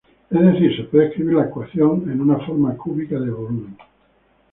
Es decir, se puede escribir la ecuación en una forma cúbica del volumen.